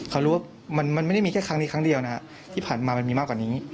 เขารู้ว่ามันไม่ได้มีแค่ครั้งนี้ครั้งเดียวนะฮะที่ผ่านมามันมีมากกว่านี้